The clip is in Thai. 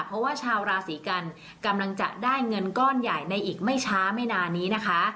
เพราะว่าชาวราศีกันกำลังจะได้เงินก้อนใหญ่ในอีกไม่ช้าไม่นานนี้นะคะ